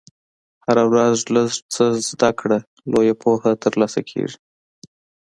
هره ورځ لږ څه زده کړه، لویه پوهه ترلاسه کېږي.